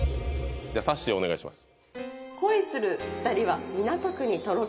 じゃさっしーお願いします